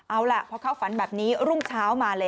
เอาล่ะพอเข้าฝันแบบนี้รุ่งเช้ามาเลย